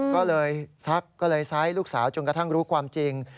ก็เลยซักก็เลยไซส์ลูกสาวจนกระทั่งรู้ความจริง